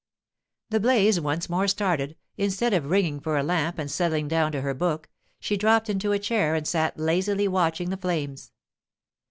The blaze once more started, instead of ringing for a lamp and settling down to her book, she dropped into a chair and sat lazily watching the flames.